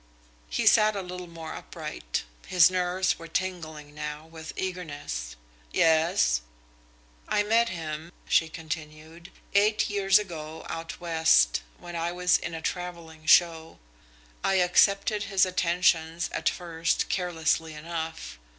He sat a little more upright. His nerves were tingling now with eagerness. "Yes?" "I met him," she continued, "eight years ago out West, when I was in a travelling show. I accepted his attentions at first carelessly enough.